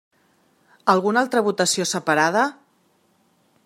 Alguna altra votació separada?